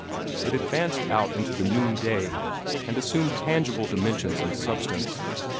It advanced out into the noonday, and assumed tangible dimensions and substance.